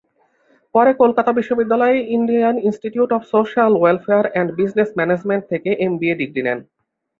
পরে কলকাতা বিশ্ববিদ্যালয়ের Indian Institute of Social Welfare and Business Management থেকে এমবিএ ডিগ্রি নেন।